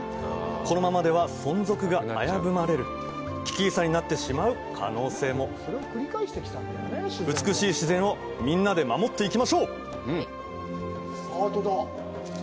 このままでは存続が危ぶまれる危機遺産になってしまう可能性も美しい自然をみんなで守っていきましょう